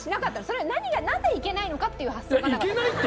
それ何がなぜいけないのかっていう発想がなかったんです。